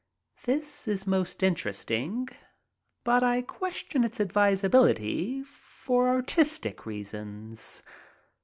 This is most interesting, but I question its advisability — for artistic reasons.